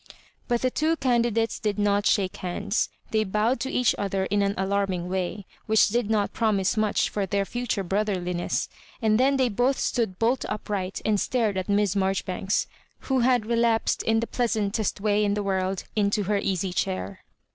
But the two candidates did not shake hands; they bowed to each other in an alarmmg way, which did not promise much for their future brotherliness, and then they both stood bolt up ri$;ht and stared at Miss Marjoribanks^ who bad relapsed, in the pleasantest way in the world, into her easy chair.